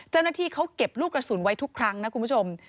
เจ้าหน้าที่เขาเก็บลูกกระสุนไว้ทุกครั้งนะคุณผู้ชม